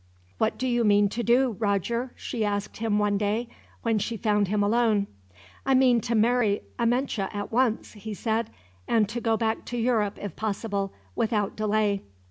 "What do you mean to do, Roger?" she asked him one day, when she found him alone. "I mean to marry Amenche, at once," he said; "and to go back to Europe, if possible, without delay."